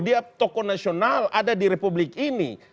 dia tokoh nasional ada di republik ini